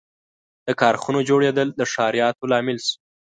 • د کارخانو جوړېدل د ښاریاتو لامل شو.